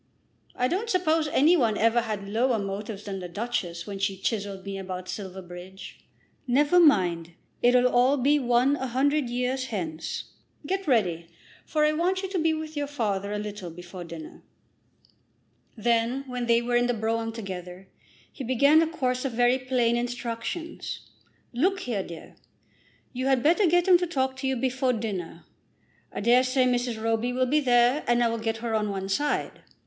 I don't suppose any one ever had lower motives than the Duchess when she chiselled me about Silverbridge. Never mind; it'll all be one a hundred years hence. Get ready, for I want you to be with your father a little before dinner." Then, when they were in the brougham together, he began a course of very plain instructions. "Look here, dear; you had better get him to talk to you before dinner. I dare say Mrs. Roby will be there, and I will get her on one side.